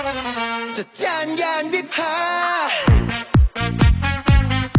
เจ้าจ้านยานวิภา